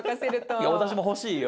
いや私も欲しいよ。